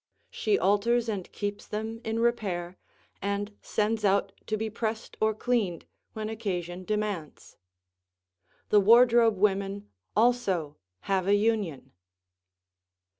She alters and keeps them in repair, and sends out to be pressed or cleaned when occasion demands. The wardrobe women also have a union.